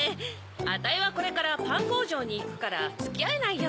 あたいはこれからパンこうじょうにいくからつきあえないよ。